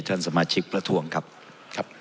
ท่านสมาชิกประท้วงครับครับ